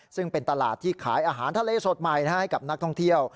ซึ่งเป็นตลาดที่ขายอาหารทะเลสดใหม่ให้กับนักท่องเที่ยว